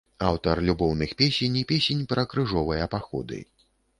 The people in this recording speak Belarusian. Аўтар любоўных песень і песень пра крыжовыя паходы.